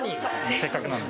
せっかくなんで。